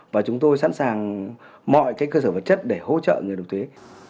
và chúng tôi sẵn sàng mọi cơ sở vật chất để hỗ trợ người nộp thuế